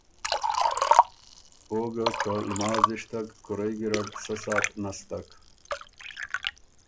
او ګه که لماز ایشتک کُورئ ګیرډ سۀ ساعت نستک